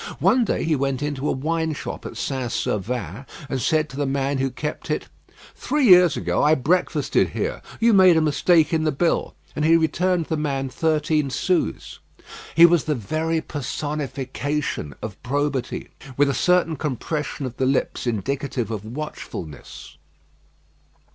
One day he went into a wine shop at St. Servan, and said to the man who kept it, "Three years ago I breakfasted here; you made a mistake in the bill;" and he returned the man thirteen sous. He was the very personification of probity, with a certain compression of the lips indicative of watchfulness.